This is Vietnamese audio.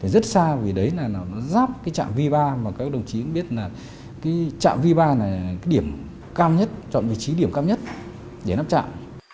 rất xa vì đấy là nó ráp cái trạm v ba và các đồng chí cũng biết là cái trạm v ba là cái điểm cao nhất chọn vị trí điểm cao nhất để lắp trạm